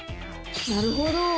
なるほど！